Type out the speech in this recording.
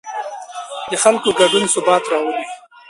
د خلکو ګډون ثبات راولي